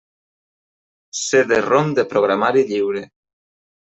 CD-ROM de programari lliure.